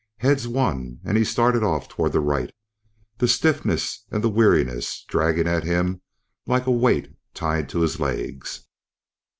Heads won and he started off toward the right, the stiffness and the weariness dragging at him like a weight tied to his legs.